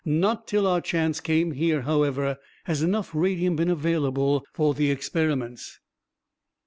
Not till our chance came here, however, has enough radium been available for the experiments."